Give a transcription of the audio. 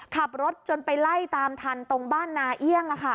ขับรถจนไปไล่ตามทันตรงบ้านนาเอี่ยง